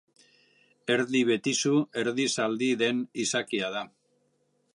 Erdi betizu, erdi zaldi den izakia da.